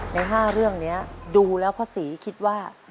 ในห้าเรื่องเนี้ยดูแล้วพ่อสีคิดว่า